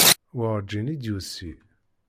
Werǧin i d-yusi.